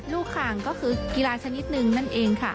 ลูกค้างก็คือกีฬาชนิดหนึ่งนั่นเองค่ะ